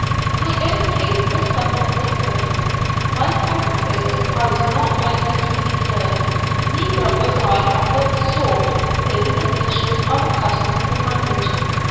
My own case was somewhat different. Once out of prison I was not likely to return; neither was I of the "sort" prison officials are accustomed to manage.